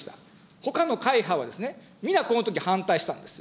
ほかの会派は、皆このとき、反対したんです。